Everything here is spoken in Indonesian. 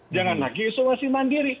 jangan lagi isolasi mandiri